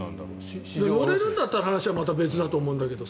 乗れるんだったら話はまた別だと思うんだけど。